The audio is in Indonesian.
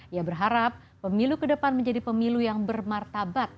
ia berharap pemilu ke depan menjadi pemilu yang bermartabat